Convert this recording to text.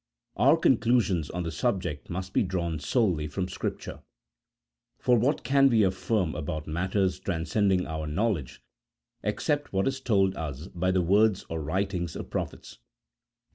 Our conclusions on the subject must be drawn solely from Scripture; for what can we affirm about matters transcending our knowledge except what is told us by the words or writings of prophets